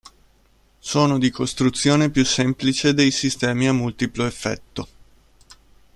Sono di costruzione più semplice dei sistemi a multiplo effetto.